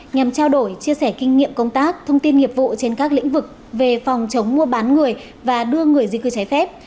nhằm trao đổi chia sẻ kinh nghiệm công tác thông tin nghiệp vụ trên các lĩnh vực về phòng chống mua bán người và đưa người di cư trái phép